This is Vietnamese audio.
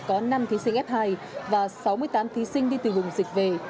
có năm thí sinh f hai và sáu mươi tám thí sinh đi từ vùng dịch về